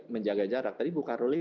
menjaga jarak tadi bu karoli